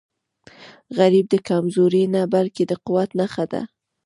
غریب د کمزورۍ نه، بلکې د قوت نښه ده